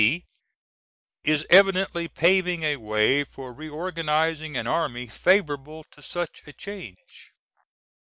B is evidently paving a way for re organizing an army favorable to such a change.